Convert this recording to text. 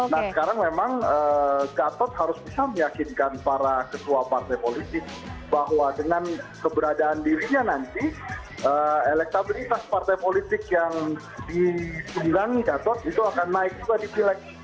nah sekarang memang gatot harus bisa meyakinkan para ketua partai politik bahwa dengan keberadaan dirinya nanti elektabilitas partai politik yang diunggangi gatot itu akan naik juga di pileg